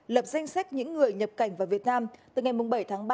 lập danh sách những người nhập cảnh vào việt nam từ ngày bảy tháng ba